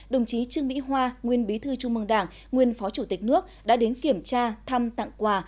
đồng chí trương mỹ hoa nguyên bí thư trung mương đảng nguyên phó chủ tịch nước đã đến kiểm tra thăm tặng quà